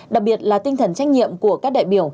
đặc biệt là tinh thần trách nhiệm của các đại biểu